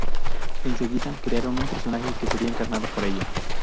Enseguida crearon un personaje que sería encarnado por ella.